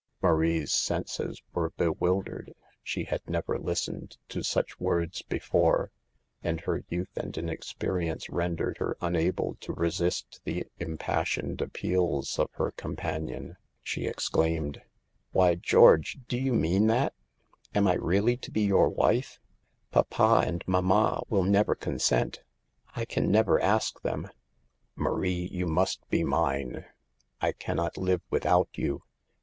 Marie's senses were bewildered. She had never listened to such words before, and her youth and inexperience rendered her unable to resist the impassioned appeals of her companion. She exclaimed : "Why, George, do you mean that? Am I really to be your wife ? Papa and mamma will never consent. I can never ask them." "Marie, you must be mine. I can not live without you.